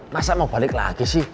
masa mau balik lagi sih